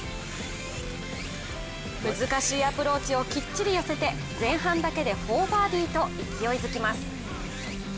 難しいアプローチをきっちり寄せて前半だけで４バーディーと勢いづきます。